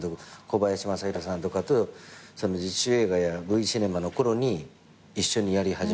小林政広さんとかと自主映画やＶシネマのころに一緒にやり始めて。